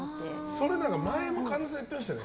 それ、前も神田さん言ってましたよね。